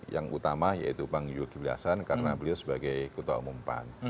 yang utama yaitu bang zulkifli hasan karena beliau sebagai ketua umum pan